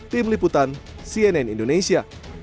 tim liputan cnn indonesia